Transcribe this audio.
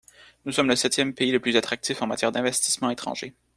Nous sommes le septième pays le plus attractif en matière d’investissements étrangers.